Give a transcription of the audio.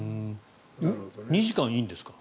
２時間いいんですか？